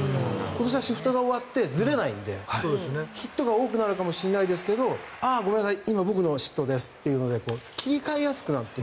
今年はシフトが終わってずれないので、ヒットが多くなるかもしれないですがごめんなさい、今の僕の失投ですということで切り替えやすくなっている。